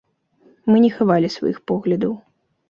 Мы не хавалі сваіх поглядаў.